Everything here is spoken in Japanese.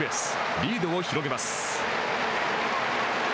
リードを広げます。